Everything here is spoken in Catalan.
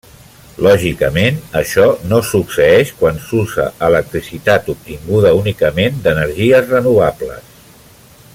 Lògicament, això no succeeix quan s'usa electricitat obtinguda únicament d'energies renovables.